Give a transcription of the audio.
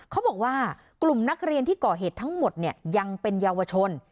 เขาบอกว่ากลุ่มนักเรียนที่ก่อเหตุทั้งหมดยังเป็นเยาวชน